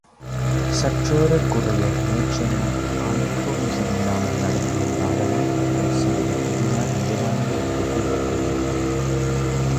சற்றேறக்குறைய மேற் சொன்ன ஆநெக்ரோனிசம் இல்லாமல் நடத்திய நாடகம் எங்கள் சபையில் இதுதான் முதலானது என்று கூறக்கூடும்.